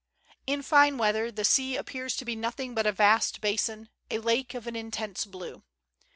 In line weather the sea appears to be nothing but a vast basin, a lake of an intense blue.